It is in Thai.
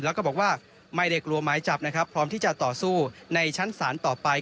แล้วก็บอกว่าไม่ได้กลัวหมายจับนะครับพร้อมที่จะต่อสู้ในชั้นศาลต่อไป